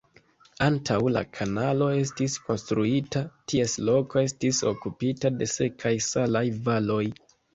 Antaŭ la kanalo estis konstruita, ties loko estis okupita de sekaj salaj valoj.